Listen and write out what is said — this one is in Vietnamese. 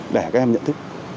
để các em nhận thức